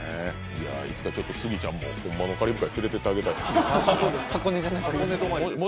いやいつかちょっとスギちゃんもホンマのカリブ海連れていってあげたいですね